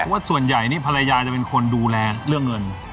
ว่าส่วนใหญ่นี่ภรรยาจะเป็นคนดูแลเรื่องเงิน